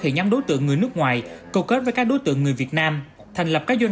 thì nhóm đối tượng người nước ngoài cầu kết với các đối tượng người việt nam thành lập các doanh